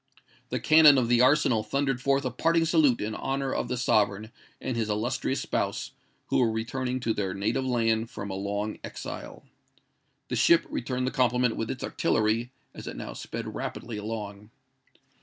The cannon of the arsenal thundered forth a parting salute in honour of the sovereign and his illustrious spouse who were returning to their native land from a long exile. The ship returned the compliment with its artillery, as it now sped rapidly along.